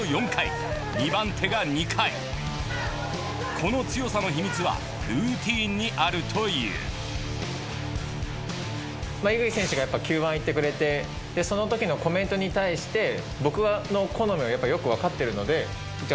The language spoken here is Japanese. この強さの秘密はルーティンにあるという井口選手がＱ１いってくれてそのときのコメントに対して僕の好みをよくわかっているのでじゃあ